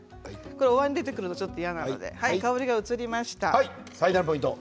おわんに出ててくると嫌なので香りが移りました。